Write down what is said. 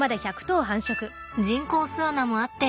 人工巣穴もあって